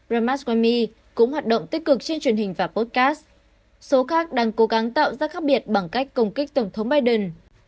ramaswami cũng hoạt động tích cực trên truyền hình và podcast số khác đang cố gắng tạo ra khác biệt bằng cách công kích tổng thống biden